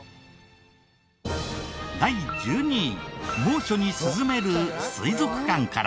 第１２位猛暑に涼める水族館から。